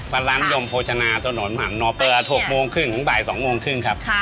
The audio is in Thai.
ร้านยมโภชนาถนนหักนอเปอร์๖โมงครึ่งถึงบ่าย๒โมงครึ่งครับ